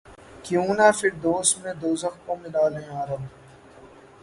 کیوں نہ فردوس میں دوزخ کو ملا لیں یارب!